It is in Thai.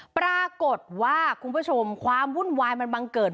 ปรากฏว่าคุณผู้ชมความวุ่นวายมันบังเกิด